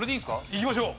いきましょう。